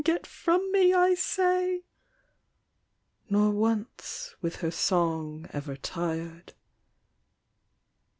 get from me, I say !" Nor once with her song ever tir'd.